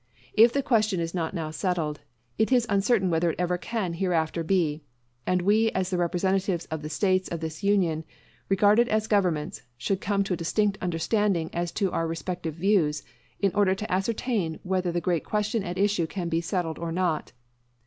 If the question is not now settled, it is uncertain whether it ever can hereafter be; and we as the representatives of the States of this Union, regarded as governments, should come to a distinct understanding as to our respective views in order to ascertain whether the great questions at issue can be settled or not.